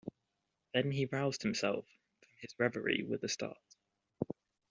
Then he roused himself from his reverie with a start.